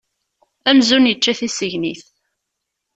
Amzun yečča tisegnit.